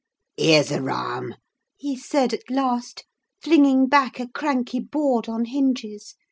"Here's a rahm," he said, at last, flinging back a cranky board on hinges.